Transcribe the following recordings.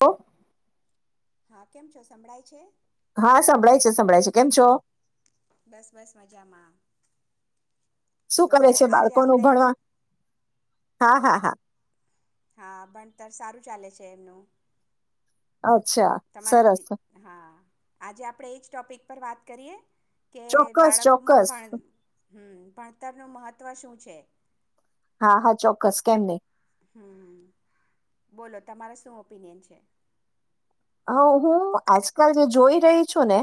હ. હા કેમ છો સંભળાય છે. હા સંભળાય છે સંભળાય છે કેમ છો. બસ બસ મજામાં. શું તો કરે છે આજે બાળકોનું આપણે ભણવા. હા હા હા. હા ભણતર સારું ચાલે છે એમનું. અચ્છા તમારે સરસ. તી- હા આજે આપડે એજ ટોપિક પર વાત કરીએ. કે ચોક્કસ બાળકોમાં ચોક્કસ ભણ હમ ભણતરનું મહત્વ શું છે. હા, હા ચોક્કસ કેમ નહી. હમ બોલો તમારા શું ઓપિનિયન છે. હ હું આજકાલ જે જોઈ રહી છું ને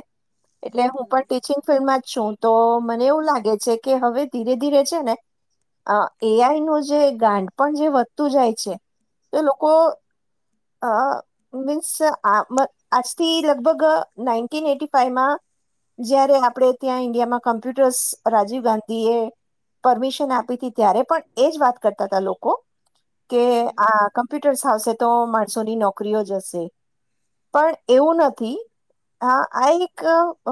એટલે હું હમ પણ ટીચિંગ ફિલ્ડમાં છું તો મને એવું લાગે છે કે હવે ધીરે ધીરે છે ને એ આઈ નું જે ગાંડ પણ જે વધતું જાય છે એ લોકો અ મીન્સ આમ આજથી લગભગ નાઈન એટી ફાઈવમાં જયારે આપણે ત્યાં ઈન્ડિયામાં કોમ્પ્યુટર્સ રાજીવ ગાંધી એ પરમિશન આપી હતી ત્યારે પણ એ જ વાત કરતા હતા લોકો કે હમ આ કમપ્યુટ તો આવશે તો મા સોની નોકરીઓ જશે પણ એવું નથી આ રિકા અ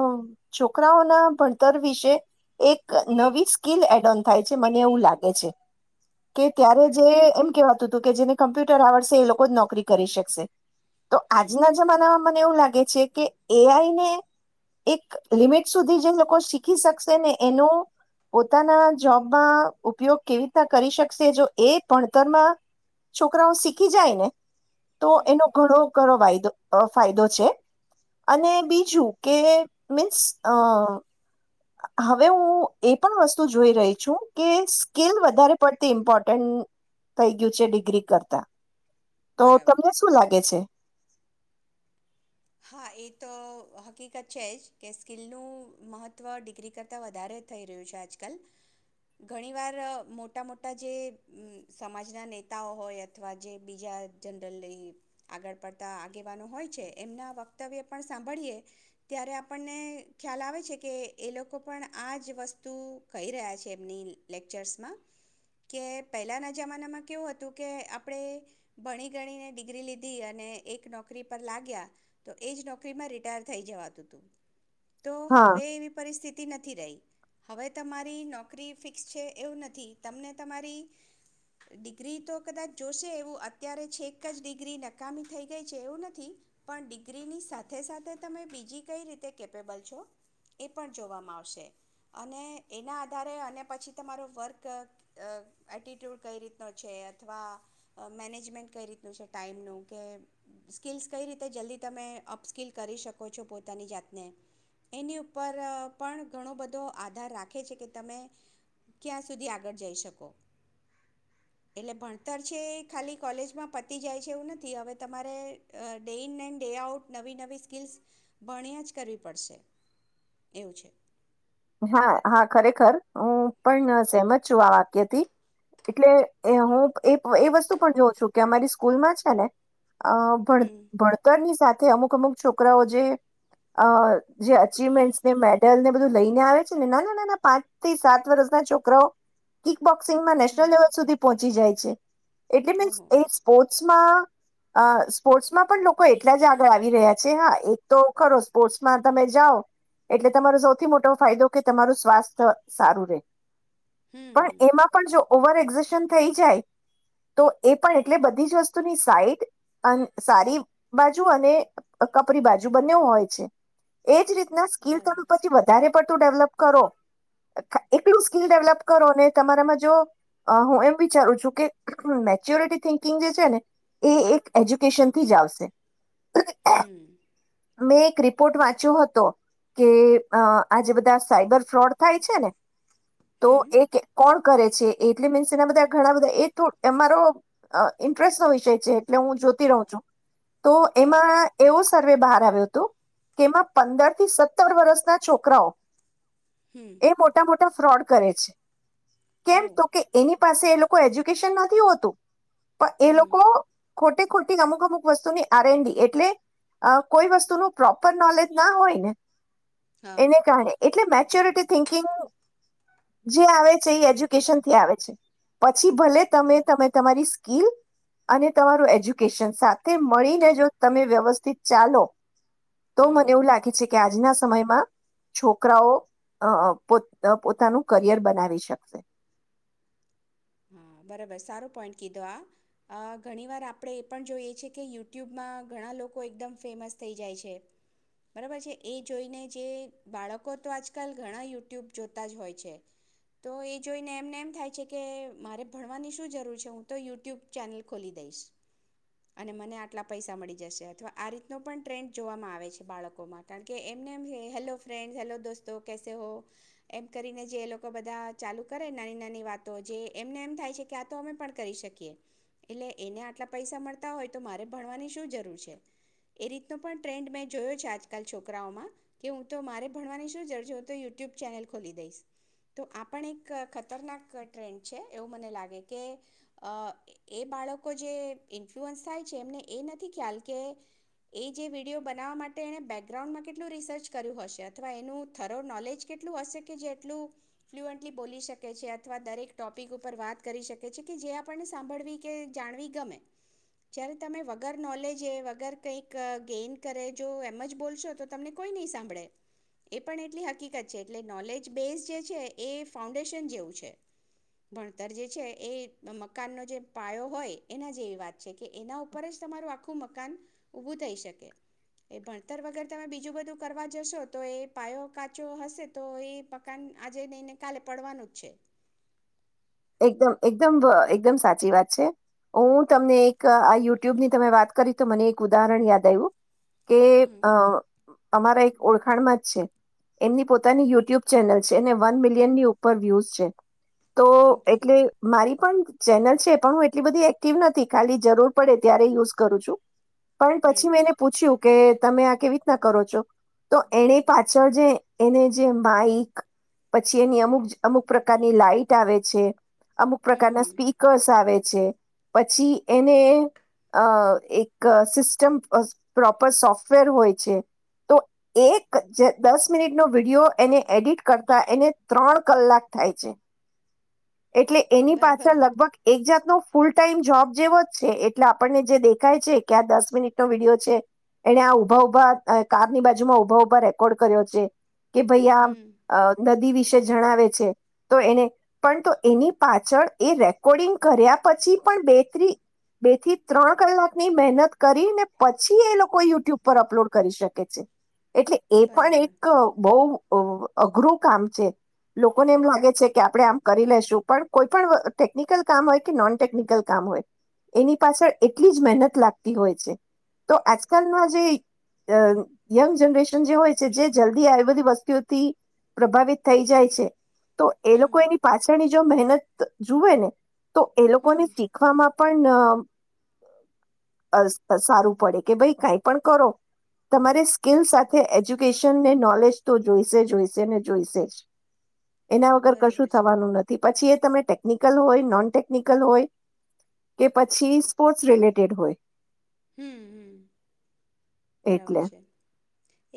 છોકરાઓના ભણતર વિશે એક નવી સ્કીલ એડોન થાય છે મને એવું લાગે છે. કે ત્યારે જે બરાબર એમ કેવાતું હતું કે જેને કમ્પ્યુટર આવડશે એ લોકો જ નોકરી કરી શકશે. તો હમ આજના જમાનામાં મને એવું લાગે છે કે એ આઈને એક લિમિટ સુધી જે લોકો શીખી શકશે ને એનો પોતાના જોબમાં ઉપયોગ કેવી રીતના કરી શકશે જો એ ભણતરમાં છોકરાઓ શીખી જાય ને તો હમ એનો ઘણો કરો વાયદો. અ ફાયદો છે અને બીજું કે મીન્સ અ હવે હું એ પણ વસ્તુ જોઈ રહી છું કે સ્કિલ વધારે પડતી ઇમ્પોર્ટન્ટ થઈ ગયું છે ડિગ્રી કરતા. તો બરાબર તમને શું લાગે છે? હા એ તો હકીકત છે જ કે સ્કિલનું મહત્ત્વ ડિગ્રી કરતાં વધારે થઈ રહ્યું છે આજકાલ ઘણીવાર મોટા મોટા જે સમાજના નેતાઓ હોય અથવા જે બીજા જનરલી આગળ પડતા આગેવાનો હોય છે. એમના વક્તવ્ય પણ સાંભળીએ ત્યારે આપણને ખ્યાલ આવે છે કે એ લોકો પણ આ જ વસ્તુ કહી રહ્યા છે એમની લેક્ચર્સમાં કે પહેલાંના જમાનામાં કેવું હતું કે આપણે ભણી ગણીને ડિગ્રી લીધી અને એક નોકરી પર લાગ્યા. તો એજ નોકરીમાં રિટાયર થઇ જવાતું હતું. તો હા હવે એવી પરિસ્થિતિ નથી રહી હવે તમારી નોકરી ફિક્સ છે એવું નથી તમને તમારી ડિગ્રી તો કદાચ જોશે એવું અત્યારે છેક જ ડિગ્રી નકામી થઈ ગઈ છે એવું નથી. પણ ડિગ્રીની સાથે સાથે તમે બીજી કઈ રીતે કેપેબલ છો એ પણ જોવામાં આવશે અને એના આધારે અને પછી તમારો વર્ક એટિટ્યૂડ કઈ રીતનો છે અથવા મેનેજમેન્ટ કઈ રીતનું છે ટાઈઇમનું કે સ્કિલ્સ કઈ રીત તે જલ્દી તમે અપસ્કીલ કરી શકો છો પોતાની જાતને એની ઉપર પણ ઘણો બધો આધાર રાખે છે કે તમે ક્યાં સુધી આગળ જઈ શકો એટલે ભણતર છે ખાલી કોલેજમાં પતી જાય છે એવું નથી. હવે તમારે day in and day out નવી નવી સ્કિલ્સ ભણીયા જ કરવી પડશે એવું છે. હા હા ખરેખર હું પણ સેમ જ છું આ વાક્યથી એટલે હું એ વસ્તુ પણ જોઉં છું કે અમારી સ્કૂલમાં છે ને અ ભણ ભણતરની સાથે અમુક અમુક છોકરાઓ જે જે અચીવમેન્ટસ મેડલને બધું લઈ આવે છે ને નાના નાના પાંચ થી સાત વર્ષ ના છોકરાઓ બોક્સિંગમાં હમ શનલ લેવલ સુધી પહોંચી જાય છે. [unintelligible] ઓહો સ્ર્ટમાં સ્પોર્ટ્સમાં પણ લોકો એટલા જ આગળ આવી રહ્યા છે હા એક તો ખરો સ્પોર્ટ્સમાં તમે જાઓ એટલે તમારો સૌથી મોટો ફાયદો કે તમારું સ્વાસ્થ્ય સારું રે. હમ પણ એમાં પણ જો ઓવર એક્ઝશન થઈ જાય, તો એ પણ એટલે બધી જ વસ્તુની સાઈડ સારી બાજુ, અને કપરી બાજુ બન્યો હોય છે, એજ રીતે. સ્કીલ, બરાબર તડું પછી વધારે. પતું ડેવલપ કરો એટલું સ્કીિલ ડેવલપ કરો ને તમારામાં જો હું એમ વિચારું છું, કે મેચ્યોરિટી થિંકિંગ જે છે ને એ એક એજ્યુકેશનથી જ આવશે. હમ. મેં એક રિપોર્ટ વાંચ્યો હતો, કે અ. આજે બધા સાઈબર ફ્રોડ થાય છે ને. તો હમ એક કોણ. કરે છે, એટલે મીન્સ એના બધા ઘણા બધા એ થમારો ઇન્ટરેસ્ટ નો વિષય છે, એટલે હું જોતી રહઉ છું. તો બરાબર એમાં, એવો સર. બહાર આવ્યો હતો, તેમાં પંદર થી સત્તર વર્ષના છોક. પકરો. હમ એ મોટા, મોટા. ફ્રોડ કરે છે. કેમ, ઓહ તો કે એની. પાસે, એ લોકો એજ્યુકેશન નથી હોતું. પણ, એ હમ લોકો. ખોટી, ખોટી અમુક, અમુક વસ્તુની આર એનડી એટલે કોઈ, વસ્તુનું પ્રોપર નોલેજ ના હોય ને. હા એને કારણે એટલે. મચ્યુરિટી થિકિંગ જે આવે છે એ એજ્યુકેશન થી આવે છે. પછી ભલે, તમે તમે તમારી. લ અને તમારું એજ્યુકેશન, સાથે મળીને, જો તમે વ્યવસ્થિત ચાલો. તો, હમ મને એવું લાગે છે. કે, આજના સમયમાં. છોકરાઓ પોતાનું કરિયર બનાવી શકે. હા, બરાબર સારો પોઈન્ટ કીધો આ ઘણીવાર આપણે એ પણ જોઈએ છે, કે યુટ્યુબમાં ઘણા લોકો એકદમ ફેમસ થઈ જાય છે, બરાબર છે એ જોઈને જે બાળકો તો આજકાલ ઘણા યુટ્યુબ જોતા જ હોય છે, તો એ જોઈને એમને એમ થાય છે કે મારે ભણવાની શું જરૂર છે, હું તો યુટ્યુબ ચેનલ ખોલી દઈશ અને મને આટલા પૈસા મળી જશે અથવા આ રીતનો પણ ટ્રેન્ડ જોવામાં આવે છે, બાળકોમાં કારણ કે એમને એમ હેલો ફ્રેન્ડસ હેલો દોસ્તો કેસે હો, એમ કરીને જે એ લોકો બધા ચાલુ કરે નાની, નાની વાતો જે એમને એમ થાય છે કે આ તો અમે પણ કરી શકીએ, એટલે એને આટલા પૈસા મળતા હોય તો મારે ભણવાની શું જરૂર છે, એ રીતનો પણ ટ્રેન્ડ મેં જોયો છે આજકાલ છોકરાઓમાં, કે હું તો મારે ભણવાની શું જરૂર છે હું તો યુટ્યુબ ચેનલ ખોલી દઈશ, તો આ પણ એક ખતરનાક ટ્રેન્ડ છે એવું મને લાગે કે અ એ બાળકો જે ઇન્ફ્લુઅન્સ થાય છે, એમને એ નથી ખ્યાલ કે એ જે વિડીયો બનાવવા માટે એણે બેકગ્રાઉન્ડમાં કેટલું રિસર્ચ કર્યું હશે, અથવા એનું થરો નોલેજ કેટલું હશે કે જે એટલું ફ્લુઅન્ટલી બોલી શકે છે અથવા દરેક ટોપિક ઉપર વાત કરી શકે છે, કે જે આપણને સાંભળવી કે જાણવી ગમે જ્યારે તમે વગર નોલેજ એ વગર કંઈક ગેઈન કરે જો એમ જ બોલશો તો, તમને કોઈ નહીં સાંભળે એ પણ એટલી હકીકત છે, એટલે નોલેજ બેઝ જે છે એ ફાઉન્ડેશન જેવું છે. ભણતર જે છે એ મકાનનો જે પાયો હોય એના જેવી વાત છે, કે એના ઉપર જ તમારું આખું મકાન ઉભું થઈ શકે, એ ભણતર વગર તમે બીજું બધું કરવા જશો, તો એ પાયો કાચો હશે તો એ મકાન આજે નઈને કાલે પડવાનું જ છે. એકદમ એકદમ એકદમ સાચી વાત છે, હું તમને એક આ યુટ્યુબની તમે વાત કરી તો મને એક ઉદાહરણ યાદ આવ્યું કે અ હમ અમારા એક ઓળખાણમાં જ છે, એમની પોતાની યુટ્યુબ ચેનલ છે એને વન મિલિયનની ઉપર વ્યુઝ છે તો ઓકે એટલે મારી પણ ચેનલ છે, પણ હું એટલી બધી એક્ટિવ નથી, ખાલી જરૂર પડે ત્યારે યુઝ કરું છું. પણ પછી, હમ મેં એને પૂછ્યું કે તમે આ કેવી રીતના કરો છો, તો એને પાછળ જે, એને જે માઈક પછી એની અમુક, અમુક પ્રકારની લાઈટ આવે છે અમુક હમ પ્રકારના હમ સ્પીકર્સ આવે. છે પછી એને અ એક સિસ્ટમ પ્રોપર સોફ્ટવેર હોય છે, તો એક જ દસ મિનિટનો વિડીયો એને એડિટ કરતા એને ત્રણ કલાક થાય છે. એટલે એની બરાબર પાછળ લગભગ એક જાત નુ ફૂલ ટાઈમ જોબ જેવો જ છે, એટલે આપણને જે દેખાય છે, કે આ દસ મિનિટ નો વિડીયો છે, એને આ ઉભા ઉભા કારની બાજુમાં ઉભા ઉભા રેકોર્ડ કર્યો છે. કે ભાઈ આ હમ અ નદી વિ વિશે જણાવે છે તો એને પણ તો એની પાછળ એ રેકોર્ડિંગ કર્યા પછી પણ બે ત્રી બે થી ત્રણ કલાકની મહેનત કરી ને પછી એ લોકો યુટ્યુબ પર અપલોડ કરી શકે છે. એટલે એ પણ બરાબર એક બહ અઘરું કામ છે, લોકોને એમ લાગે છે કે આપડે આમ કરી લેશું પણ કોઈ પણ ટેકનિકલ કામ હોય કે નોન ટેકનિકલ કામ હોય, એની પાછળ એટલી જ મહેનત લાગતી હોય છે, તો આજકાલમાં જે અ યંગ જનરેશન જે હોય છે, જે જલ્દી આવીબધી વસ્તુઓથી પ્રભાવિત થઈ જાય છે. તો એ લોકો હમ એની કોની જો મહેનત જુવે ને તો એ હમ લોકોને શીખવામાં પણ ન અસ પ સારું પડે કે ભાઈ કઈ પણ કરો તમારે સ્કીિલ સાથે એજ્યુકેશન ને નોલેજ તો જોઈશે જોઈશે ને જોઈશે જ. એના વગર બરાબર કશું છે થવાનું નથી પછી એ તમે ટેકનિકલ હોય નોન ટેકનિકલ હોય કે પછી સ્પોર્ટ્સ રિલેટેડ હોય હમ હમ. બરાબર એટલે છે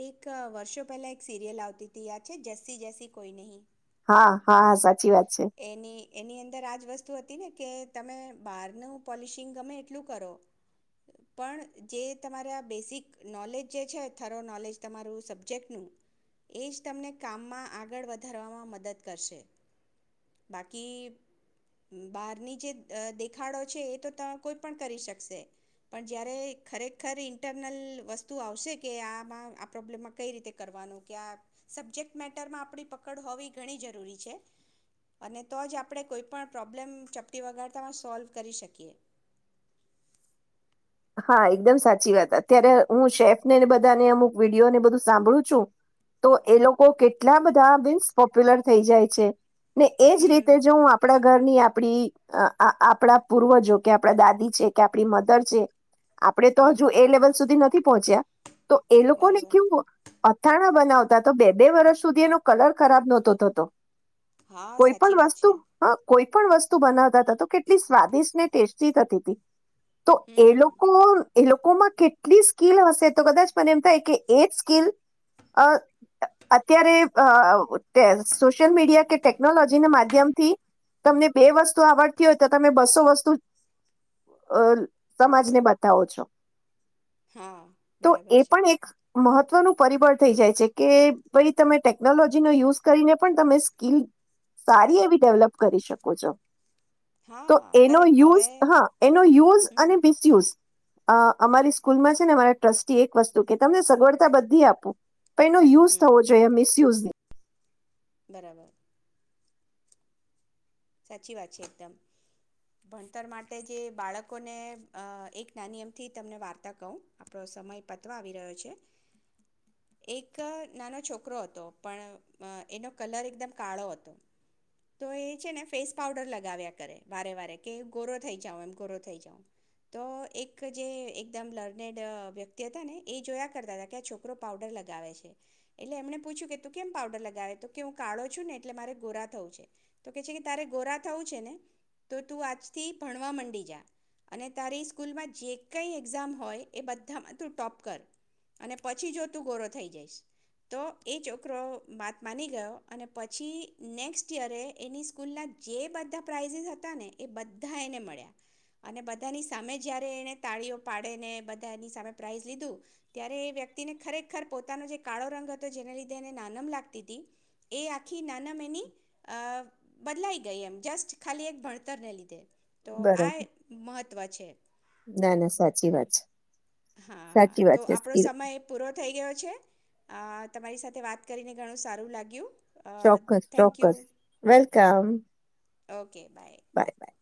એક વર્ષો પહેલા એક સિરિયલ આવતી યાદ છે, જેસી જેસી કોઈ નહી. હા હા હા સાચ એની એની અંદર આજ વસ્તુ હતી ને કે તમે બહારનું પોલિશિંગ ગમે એટલું કરો પણ, જે તમારે આ બેઝિક નોલેજ જે છે થરો નોલેજ તમારું સબ્જેક્ટનું, એ જ તમને કામમાં આગળ વધારવામાં મદદ કરશે. બાકી બહારની જે દેખાડો છે, એ તો ત કોઈ પણ કરી શકશે પણ જ્યારે ખરેખર ઈન્ટરનલ વસ્તુ આવશે કે, આમાં આ પ્રોબ્લેમમાં કઈ રીતે કરવાનું કે આ સબ્જેક્ટ મેટરમાં આપણી પકડ હોવી ઘણી જરૂરી છે. અને તો જ આપણે કોઈ પણ પ્રોબ્લેમ ચપટી વગાડતામાં સોલ્વ કરી શકીએ. હા એકદમ સાચી વાત, અત્યારે હું શેફને બધાને અમુક વિડીયોને બધું સાંભળું છું, તો એ લોકો કેટલા બધા મીન્સ પોપ્યુલર થઈ જાય છે. ને એજ હમ રીતે જો હું આપણા ઘરની આપણી આપણા પૂર્વજો કે આપણા દાદી છે કે આપણી મધર છે. આપડે તો હમ હજુ એ લેવલ સુધી નથી પહોંચ્યા તો એ લોકો ને બરાબર કેવું અથાણા બનાવતા તો બે બે વર્ષ સુધી એનો કલર ખરાબ નહોતો થતો હા કોઈ સાચી પણ વાત વસ્તુ છે હ કોઈ પણ વસ્તુ બનાવતા તો કેટલી સ્વાદિષ્ટ ને ટેસ્ટી થતી તી. હમ્મ. એ લોકોમાં કેટલી સ્કીિલ હશે તો કદાચ પણને એમ થાય કે, એ જ સ્કીિલ અત્યારે અ અ સોશિયલ મીડિયા કે ટેકનોલોજી ના માધ્યમ થી, તમને બે વસ્તુ આવડતી હોય તો તમે બસો વસ્તુ અ સમાજને બતા તાવો છો. હા તો બરાબર એ છે. પણ એક મહત્વનું પરિબળ થઈ જાય છે, કે ભાઈ તમે ટેકનોલોજીનો યુઝ કરીને પણ તમે સ્કીલ સારી એવી ડેવલપ કરી શકો છો. હા તો હા એનો કરેક્ટ હવે યુઝ હા એનો યુઝ હમ અને બિસયુઝ અ અમારી સ્કૂલમાં છે ને અમાંરા ટ્રસ્ટી એક વસ્તુ કે તમને સગવડતા બધી આપું તો એનો યુઝ હમ થવો જોઈએ મિસયુઝ નહીં. બરાબર સાચી વાત છે, એકદમ ભણતર માટે જે બાળકોને એક નાની એમથી તમને વાર્તા કહો આપણો સમય પતવા આવી રહ્યો છે, એક નાનો છોકરો હતો પણ એનો કલર એકદમ કાળો હતો તો એ છે ને ફેસ પાવડર લગાવ્યા કરે વારે વારે કે ગોરો થઈ જાઉં એમ ગોરો થઈ જાઉં, તો એક જે એકદમ લર્નેડ વ્યક્તિ હતા ને એ જોયા કરતા હતા કે આ છોકરો પાવડર લગાવે છે, એટલે એમણે પૂછ્યું કે તું કેમ પાવડર લગાવે તો કે હું કાળો છું ને એટલે મારે ગોરા થવું છે તો કે છે તારે ગોરા થવું છે ને તો તું આજથી ભણવા માંડી જા અને તારી સ્કૂલમાં જે કંઈ એક્ઝામ હોય એ બધામાં તું ટોપ કર, અને પછી જો તું ગોરો થઈ જઈશ તો એ છોકરો માત માની ગયો અને પછી નેક્સ્ટ યરે એની સ્કૂલના જે બધા પ્રાઇઝસ હતા ને એ બધા એને મળ્યા, અને બધાની સામે જયારે એને તાળીઓ પાડે ને બધા એની સામે પ્રાઇઝ લીધું ત્યારે એ વ્યક્તિને ખરેખર પોતાનો જે કાળો રંગ હતો જેને લીધે એને નાનમ લાગતી હતી, એ આખી નાનમ એની બદલાઈ ગઈ એમ જસ્ટ ખાલી એક ભણતરને લીધે તો આ બરાબર મહત્વ છે. ના ના સાચી વાત છે. હા સાચી તો વાત છે આપણો સ્કીલ સમય પૂરો થઈ ગયો છે અ તમારી સાથે વાત કરીને ઘણું સારું લાગ્યું. ચોક્કસ થેન્ક યુ ચોક્કસ વેલકમ. Okay bye by